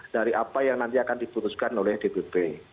dari apa yang nanti akan diputuskan oleh dpp